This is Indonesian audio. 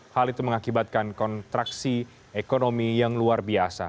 hal itu mengakibatkan kontraksi ekonomi yang luar biasa